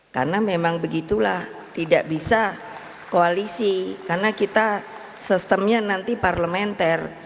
karena memang begitulah tidak bisa koalisi karena kita sistemnya nanti parlementer